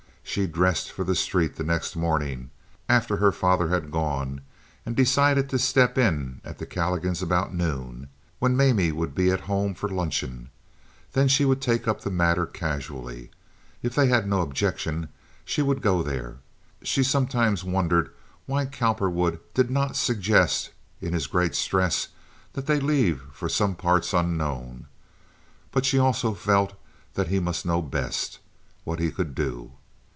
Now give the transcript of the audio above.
She dressed for the street the next morning, after her father had gone, and decided to step in at the Calligans' about noon, when Mamie would be at home for luncheon. Then she would take up the matter casually. If they had no objection, she would go there. She sometimes wondered why Cowperwood did not suggest, in his great stress, that they leave for some parts unknown; but she also felt that he must know best what he could do.